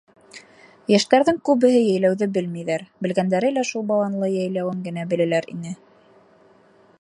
Йәштәрҙең күбеһе йәйләүҙе белмәйҙәр, белгәндәре лә шул Баланлы йәйләүен генә беләләр ине.